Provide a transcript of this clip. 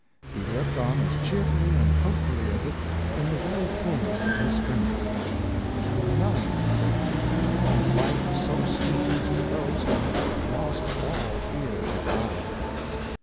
He worked on as cheerfully and hopefully as if in the very fullness of his strength. "To none," said he, " is life so sweet as to those who have lost all fear to die."